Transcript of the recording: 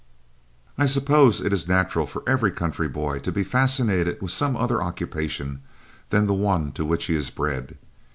I suppose it is natural for every country boy to be fascinated with some other occupation than the one to which he is bred.